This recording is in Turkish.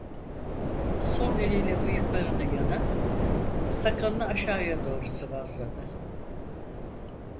Sol eliyle bıyıklarını yana, sakalını aşağıya doğru sıvazladı: